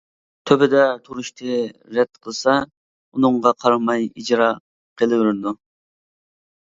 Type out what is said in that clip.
تۆپىدە تۇرۇشنى رەت قىلسا، ئۇنىڭغا قارىماي ئىجرا قىلىۋېرىدۇ.